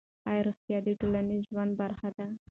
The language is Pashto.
آیا روغتیا د ټولنیز ژوند برخه ده؟